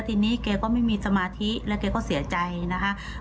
ทีนี้แกก็ไม่มีสมาธิแล้วแกก็เสียใจนะคะ